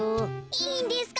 いいんですか？